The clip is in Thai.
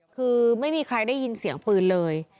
คือไม่มีใครได้ยินเสียงปืนเลย